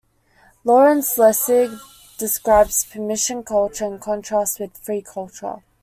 Lawrence Lessig describes permission culture in contrast with free culture.